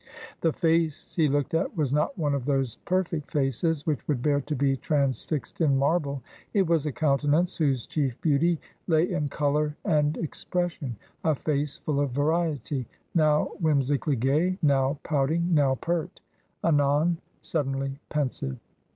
The face he looked at was not one of those perfect faces which would bear to be transfixed in marble. It was a countenance whose chief beauty lay in colour and expression — a face full of variety ; now whimsically gay, now pouting, now pert ; anon suddenly pensive.